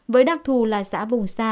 với đặc thù là xã vùng xa